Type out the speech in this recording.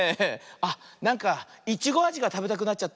あっなんかイチゴあじがたべたくなっちゃった。